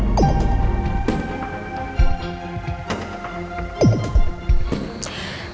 aku pasti mau buang sepeda